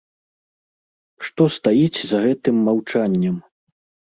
Што стаіць за гэтым маўчаннем?